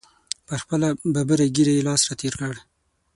پر خپله ببره ږیره یې لاس را تېر کړ.